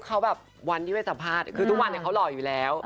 ตึกว่ามันเนี่ยทุกวันเนี่ยเขารออยู่แล้ว